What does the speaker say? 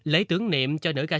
lấy tướng niệm cho nữ ca sĩ